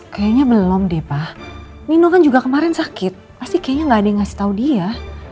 kayaknya belum deh pak nino kan juga kemarin sakit pasti kayaknya nggak ada yang ngasih tahu dia